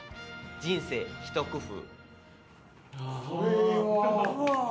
人生一工夫。